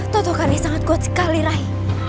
totokannya sangat kuat sekali rai